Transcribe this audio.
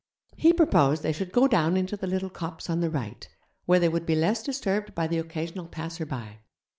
He proposed they should go down into the little copse on the right, where they would be less disturbed by the occasional passer by.